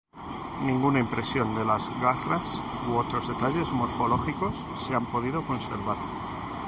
Ninguna impresión de las garras u otros detalles morfológicos se han podido conservar.